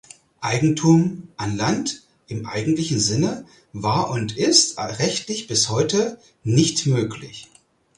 Eigentum an Land im eigentlichen Sinne war (und ist rechtlich bis heute) nicht möglich.